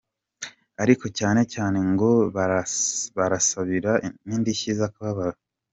Ariko cyane cyane ngo arabasabira n’indishyi z’akababaro.